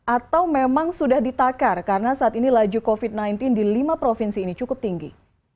atau memang sudah ditakar karena saat ini laju covid sembilan belas di lima provinsi ini cukup tinggi